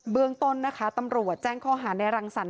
เรื่องต้นนะคะตำรวจแจ้งข้อหาในรังสรรค